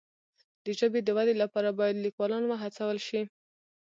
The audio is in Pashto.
د ژبې د ودي لپاره باید لیکوالان وهڅول سي.